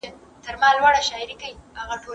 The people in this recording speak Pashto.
که خلګ کار وکړي، اقتصاد وده کوي.